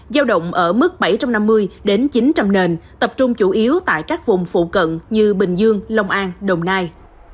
giao động ở mức bảy trăm năm mươi đến chín trăm linh nền tập trung chủ yếu tại các vùng phụ cận như bình dương long an đồng nai